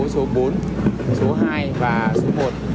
số bốn số hai và số một